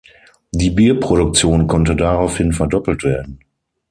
Die Bierproduktion konnte daraufhin verdoppelt werden.